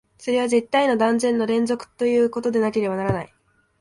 それは絶対の断絶の連続ということでなければならない。